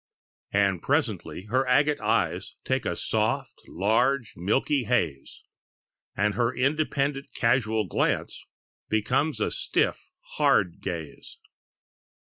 And presently her agate eyes Take a soft large milky haze, And her independent casual glance Becomes a stiff, hard gaze.